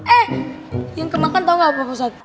eh yang kemakan tau gak apa poset